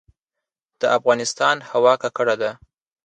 د افغانستان هوا ککړه ده